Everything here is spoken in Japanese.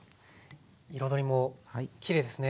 彩りもきれいですね